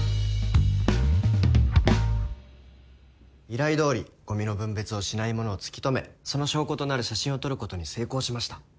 依頼どおりごみの分別をしない者を突き止めその証拠となる写真を撮ることに成功しました。